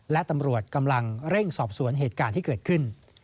และตำรวจกำลังเร่งสอบสวนเหตุการณ์ที่เกิดขึ้น